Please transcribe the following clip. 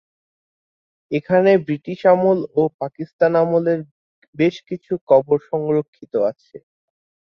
এখানে ব্রিটিশ আমল ও পাকিস্তান আমলের বেশ কিছু কবর সংরক্ষিত আছে।